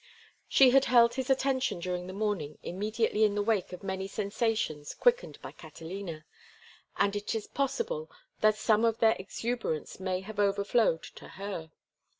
She had held his attention during the morning immediately in the wake of many sensations quickened by Catalina, and it is possible that some of their exuberance may have overflowed to her.